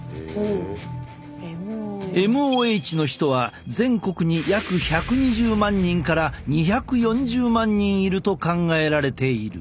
ＭＯＨの人は全国に約１２０万人から２４０万人いると考えられている。